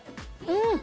うん！